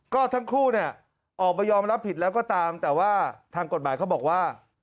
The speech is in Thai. ก็ทั้งคู่เนี่ยออกมายอมรับผิดแล้วก็ตามแต่ว่าทางกฎหมายเขาบอกว่า